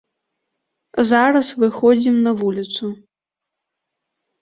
Зараз выходзім на вуліцу.